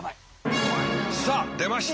さあ出ました。